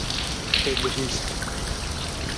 Te bihîst.